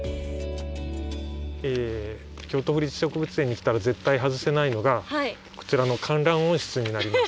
京都府立植物園に来たら絶対外せないのがこちらの観覧温室になります。